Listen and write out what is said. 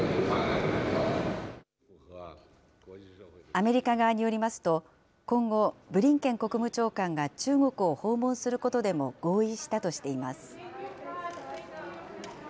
アメリカ側によりますと、今後、ブリンケン国務長官が中国を訪問することでも合意したとしています。